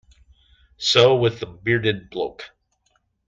So with the bearded bloke.